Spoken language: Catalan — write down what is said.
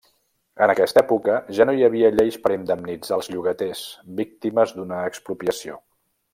En aquesta època ja no hi havia lleis per indemnitzar els llogaters, víctimes d'una expropiació.